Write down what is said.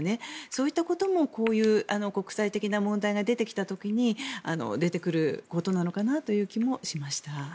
そういったことも国際的な問題が出てきた時に出てくることなのかなという気もしました。